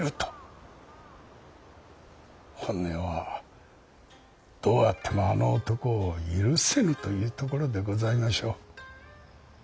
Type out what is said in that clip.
本音はどうあってもあの男を許せぬというところでございましょう。